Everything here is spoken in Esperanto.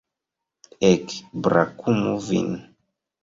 Ek, brakumu vin!